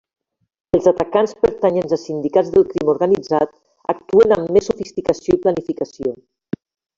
Els atacants pertanyents a sindicats del crim organitzat actuen amb més sofisticació i planificació.